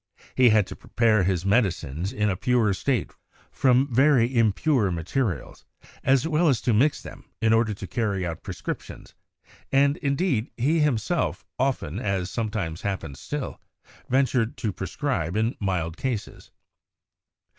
He had to prepare his medi cines in a pure state from very impure materials, as well as to mix them in order to carry out prescriptions; and, indeed, he himself often, as sometimes happens still, ven tured to prescribe in mild cases.